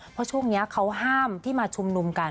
เพราะช่วงนี้เขาห้ามที่มาชุมนุมกัน